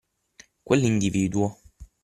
quell’individuo.